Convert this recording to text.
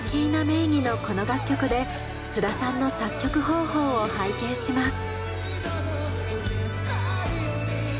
名義のこの楽曲で須田さんの作曲方法を拝見します。